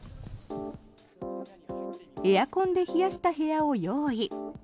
エアコンで冷やした部屋を用意。